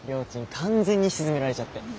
完全に沈められちゃって。